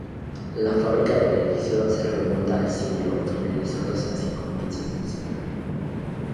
La fábrica del edificio se remonta al siglo, finalizándose hacia comienzos del siglo.